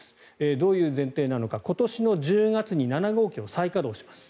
どういう前提なのか今年の１０月に７号機を再稼働します。